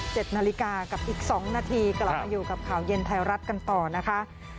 นาฬิกากับอีกสองนาทีกลับมาอยู่กับข่าวเย็นไทยรัฐกันต่อนะคะ